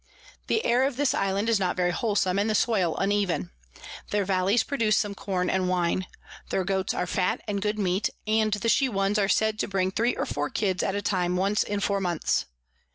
The Air of this Island is not very wholesom, and the Soil uneven. Their Valleys produce some Corn and Wine. Their Goats are fat and good Meat, and the she ones are said to bring three or four Kids at a time once in four months.